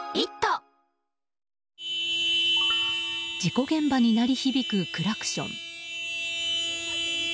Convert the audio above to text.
事故現場に鳴り響くクラクション。